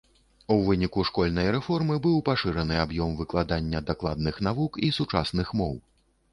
У выніку школьнай рэформы быў пашыраны аб'ём выкладання дакладных навук і сучасных моў.